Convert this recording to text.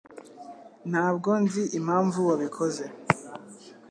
Ntabwo nzi impamvu wabikoze.